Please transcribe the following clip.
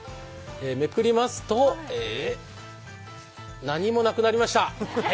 めくりますと何もなくなりました。